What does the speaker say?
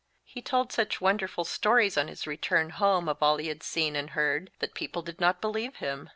He told such wonderful stories on his return home of all he had seen and heard that people did not believe him.